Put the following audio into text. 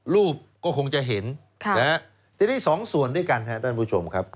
รูปก็คงจะเห็นทีนี้สองส่วนด้วยกันครับท่านผู้ชมครับ